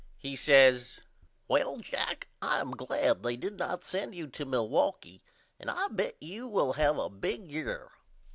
He says Well Jack I am glad they did not send you to Milwaukee and I bet you will have a big year.